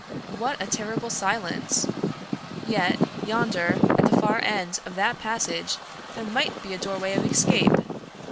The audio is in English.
What a terrible silence! Yet, yonder, at the far end of that passage there might be a doorway of escape!